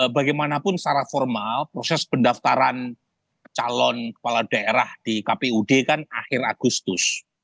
bagaimanapun secara formal proses pendaftaran calon kepala daerah di kpud kan akhir agustus